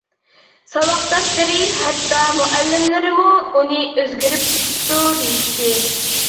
ساۋاقداشلىرى، ھەتتا مۇئەللىملىرىمۇ ئۇنى ئۆزگىرىپ كېتىپتۇ دېيىشتى.